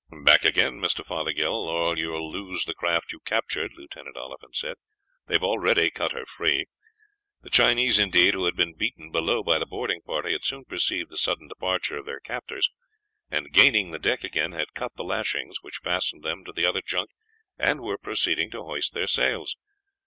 "Back again, Mr. Fothergill, or you will lose the craft you captured," Lieutenant Oliphant said; "they have already cut her free." The Chinese, indeed, who had been beaten below by the boarding party, had soon perceived the sudden departure of their captors, and gaining the deck again had cut the lashings which fastened them to the other junk, and were proceeding to hoist their sails.